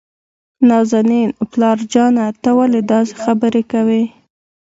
نازنين: پلار جانه ته ولې داسې خبرې کوي؟